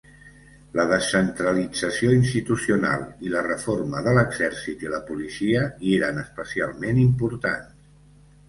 La descentralització institucional i la reforma de l'exèrcit i la policia hi eren especialment importants.